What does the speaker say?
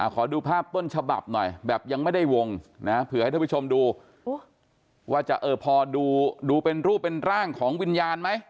ขอดูภาพต้นฉบับหน่อยแบบยังไม่ได้วงนะเผื่อให้ท่านผู้ชมดูว่าจะเออพอดูเป็นรูปเป็นร่างของวิญญาณไหม